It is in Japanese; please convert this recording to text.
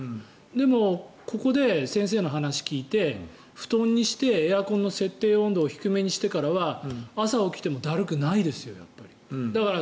でも、ここで先生の話を聞いて布団にしてエアコンの設定温度を低めにしてからは朝起きてもだるくないですよ。